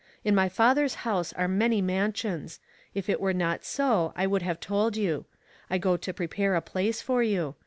In ray Father's house are many mansions: if it were not so I would have told you. I go to prepare a place for you.